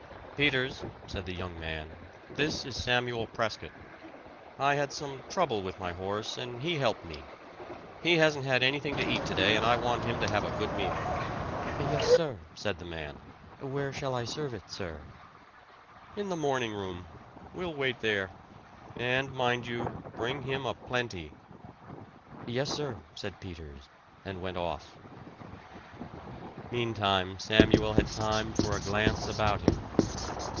"Peters," said the young man, "this is Samuel Prescott. I had some trouble with my horse and he helped me. He hasn't had anything to eat today, and I want him to have a good meal." "Yes, sir," said the man. "Where shall I serve it, sir?" "In the morning room. We'll wait there. And mind you, bring him a plenty." "Yes, sir," said Peters, and went off. Meantime Samuel had time for a glance about him.